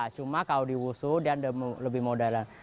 cuma kalau di wushu dia lebih modern